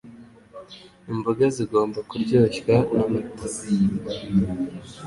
Imboga zigomba kuryoshywa n’amata